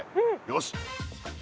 よし！